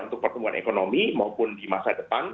untuk pertumbuhan ekonomi maupun di masa depan